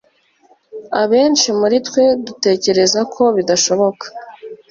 Abenshi muri twe dutekerezako bidashoboka